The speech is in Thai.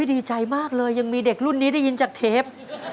ดีใจมากเลยยังมีเด็กรุ่นนี้ได้ยินจากเทป